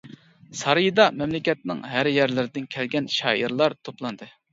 سارىيىدا مەملىكەتنىڭ ھەر يەرلىرىدىن كەلگەن شائىرلار توپلاندى.